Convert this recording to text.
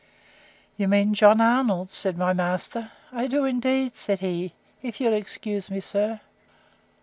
You mean John Arnold? said my master. I do, indeed, said he, if you'll excuse me, sir.